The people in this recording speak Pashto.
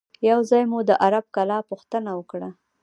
یو ځای مو د عرب کلا پوښتنه وکړه.